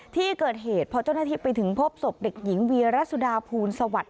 ที่เกิดเหตุพอเจ้าหน้าที่ไปถึงพบศพเด็กหญิงวีรสุดาภูลสวัสดิ